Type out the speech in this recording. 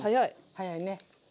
早いね。